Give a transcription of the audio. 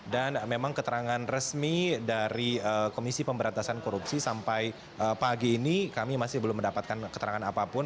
dan memang keterangan resmi dari komisi pemberantasan korupsi sampai pagi ini kami masih belum mendapatkan keterangan apapun